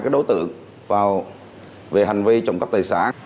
các đối tượng về hành vi trộm cắp tài sản